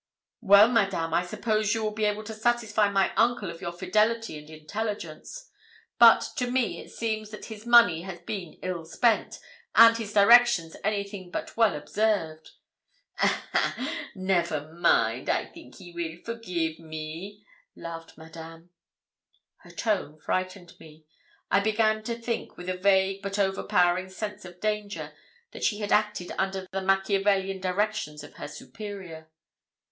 'Well, Madame, I suppose you will be able to satisfy my uncle of your fidelity and intelligence. But to me it seems that his money has been ill spent, and his directions anything but well observed.' 'Ah, ha! Never mind; I think he will forgive me,' laughed Madame. Her tone frightened me. I began to think, with a vague but overpowering sense of danger, that she had acted under the Machiavellian directions of her superior.